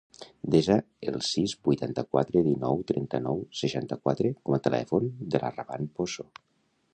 Desa el sis, vuitanta-quatre, dinou, trenta-nou, seixanta-quatre com a telèfon de la Rawan Pozo.